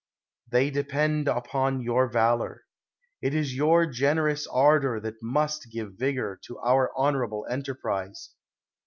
They de pend upon your valor. It is your generous ardor that must give vigor to our honorable enterprise.